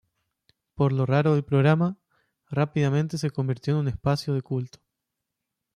Por lo raro del programa, rápidamente se convirtió en un espacio de culto.